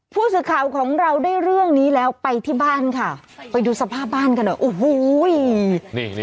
ผู้สื่อข่าวของเราได้เรื่องนี้แล้วไปที่บ้านค่ะไปดูสภาพบ้านกันหน่อยโอ้โห